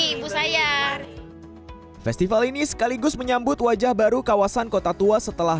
ibu saya festival ini sekaligus menyambut wajah baru kawasan kota tua setelah